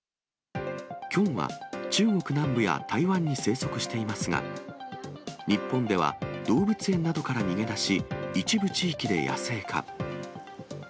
キョンは、中国南部や台湾に生息していますが、日本では動物園などから逃げ出し、一部地域で野生化。